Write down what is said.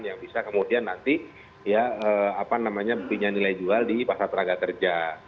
yang bisa kemudian nanti punya nilai jual di pasar tenaga kerja